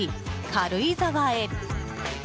軽井沢へ。